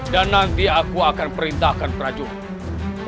dan nanti aku akan perintahkan prajurit